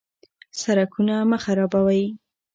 سرکونه مه خرابوئ.